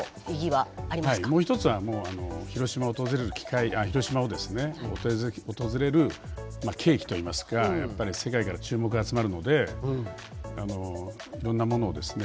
はいもう一つは広島を訪れる契機といいますかやっぱり世界から注目が集まるのでいろんなものをですね